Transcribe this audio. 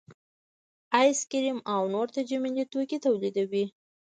ایس کریم او نور تجملي توکي تولیدوي